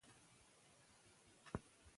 د برکلي پوهنتون استاد د دې څېړنې مخکښ دی.